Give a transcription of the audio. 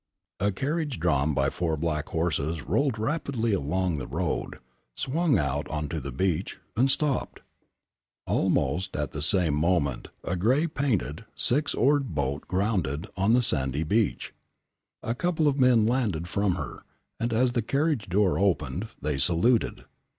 A carriage drawn by four black horses rolled rapidly along the road, swung out on to the beach, and stopped. Almost at the same moment a grey painted, six oared boat grounded on the sandy beach. A couple of men landed from her, and as the carriage door opened, they saluted.